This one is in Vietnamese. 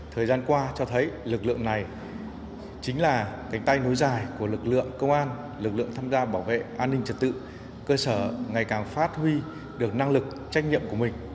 thời gian qua cho thấy lực lượng này chính là cánh tay nối dài của lực lượng công an lực lượng tham gia bảo vệ an ninh trật tự cơ sở ngày càng phát huy được năng lực trách nhiệm của mình